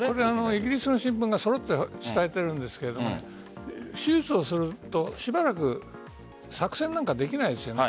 イギリスの新聞が揃って伝えているんですが手術をするとしばらく作戦ができないですよね。